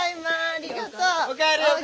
ありがとう。